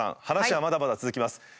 話はまだまだ続きます。